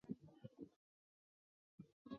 故事情节并无史实基础。